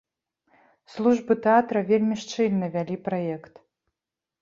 Службы тэатра вельмі шчыльна вялі праект.